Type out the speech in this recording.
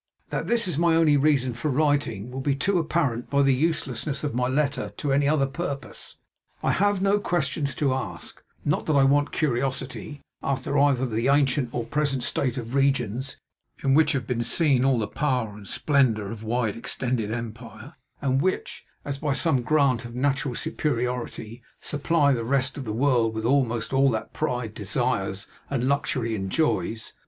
That this is my only reason for writing, will be too apparent by the uselessness of my letter to any other purpose. I have no questions to ask; not that I want curiosity after either the ancient or present state of regions in which have been seen all the power and splendour of wide extended empire; and which, as by some grant of natural superiority, supply the rest of the world with almost all that pride desires and luxury enjoys.